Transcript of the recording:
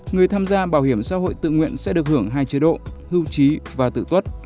người tham gia bảo hiểm xã hội tự nguyện sẽ được hưởng hai chế độ hưu trí và tự tuất